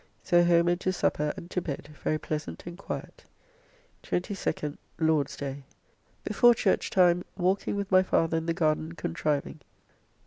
So home and to supper and to bed, very pleasant and quiet. 22nd (Lord's day). Before church time walking with my father in the garden contriving.